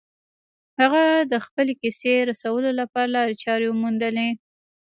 هغه د خپلې کیسې رسولو لپاره لارې چارې وموندلې